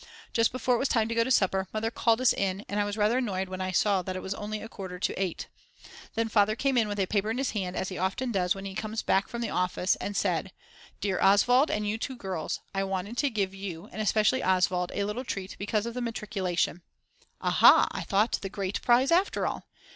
Just before it was time to go to supper, Mother called us in, and I was rather annoyed when I saw that it was only a quarter to 8. Then Father came in with a paper in his hand as he often does when he comes back from the office, and said: "Dear Oswald and you two girls, I wanted to give you and especially Oswald a little treat because of the matriculation." Aha, I thought, the great prize after all!